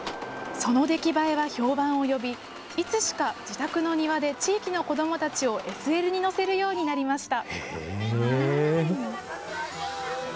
その出来栄えは評判を呼び、いつしか自宅の庭で、地域の子どもたちをＳＬに乗せるようになりました。